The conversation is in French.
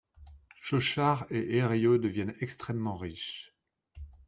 Chauchard et Hériot deviennent extrêmement riches.